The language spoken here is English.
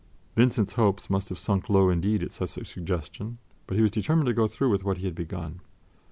Vincent's hopes must have sunk low indeed at such a suggestion, but he was determined to go through with what he had begun.